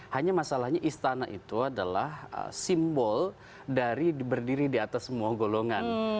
hanya masalahnya istana itu adalah simbol dari berdiri di atas semua golongan